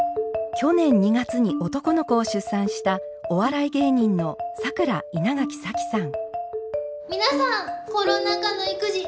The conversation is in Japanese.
去年２月に男の子を出産したお笑い芸人の桜稲垣早希さん。